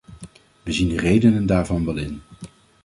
We zien de redenen daarvan wel in.